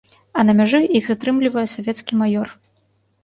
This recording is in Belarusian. А на мяжы іх затрымлівае савецкі маёр.